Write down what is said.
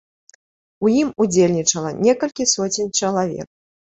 У ім удзельнічала некалькі соцень чалавек.